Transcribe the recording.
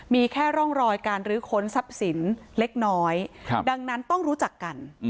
มีแค่ร่องรอยการรื้อค้นทรัพย์สินเล็กน้อยดังนั้นต้องรู้จักกัน